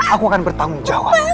aku akan bertanggung jawab